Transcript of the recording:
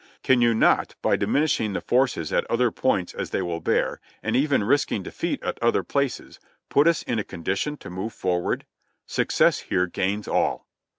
Can you not by dimin ishing the forces at other points as they will bear, and even risk ing defeat at other places, put us in a condition to move forward? Success here gains all."